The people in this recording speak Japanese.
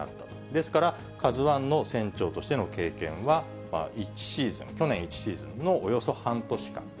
ですから、カズワンの船長としての経験は、１シーズン、去年１シーズンのおよそ半年間。